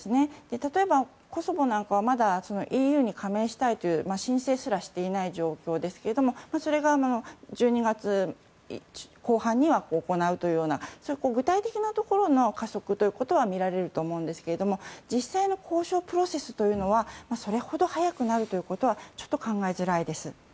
例えば、コソボなんかはまだＥＵに加盟したいという申請すらしていない状況ですけどそれが１２月後半には行うというような具体的なところの加速は見られると思いますが実際の交渉プロセスというのはそれほど早くないことはちょっと考えづらいです。